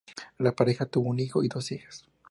La pareja tuvo un hijo y dos hijas.